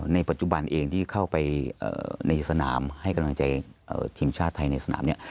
ในปัจจุบันเองที่เข้าไปในสนามให้กำลังใจทีมชาติไทยในสนามเนี่ย